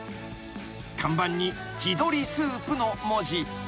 ［看板に地鶏スープの文字］